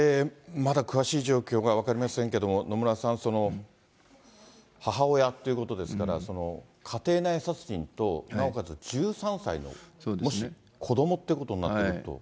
まだ詳しい状況が分かりませんけれども、野村さん、母親っていうことですから、家庭内殺人と、なおかつ１３歳の子どもってことになってくると。